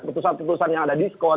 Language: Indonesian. putusan putusan yang ada diskon